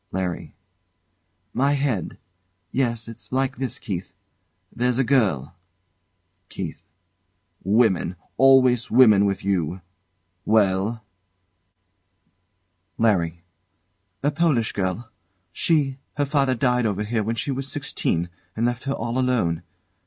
LARRY. My head! Yes! It's like this, Keith there's a girl KEITH. Women! Always women, with you! Well? LARRY. A Polish girl. She her father died over here when she was sixteen, and left her all alone.